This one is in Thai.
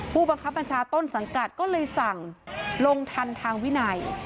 ผู้บังคับบัญชาต้นสังกัดก็เลยสั่งลงทันทางวินัย